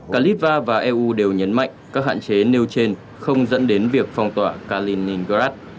cả libra và eu đều nhấn mạnh các hạn chế nêu trên không dẫn đến việc phong tỏa kaliningrad